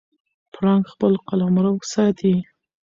پړانګ خپل قلمرو ساتي.